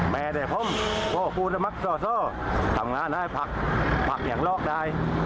แม้แต่ผมโฟฟูนมักซ่อทำงานให้ผักผักอย่างลอกได้